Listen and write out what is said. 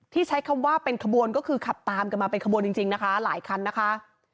ใช้คำว่าเป็นขบวนก็คือขับตามกันมาเป็นขบวนจริงนะคะหลายคันนะคะ